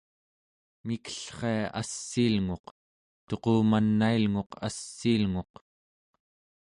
mikellria assiilnguq, tuqumanailnguq assiilnguq